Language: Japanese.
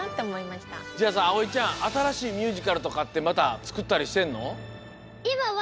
じゃあさあおいちゃんあたらしいミュージカルとかってまたつくったりしてんの？